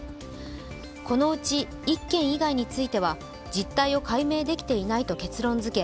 このうち１件以外については実態を解明できていないと結論づけ